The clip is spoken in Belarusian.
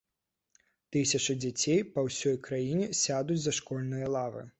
Тысячы дзяцей па ўсёй краіне сядуць за школьныя лавы.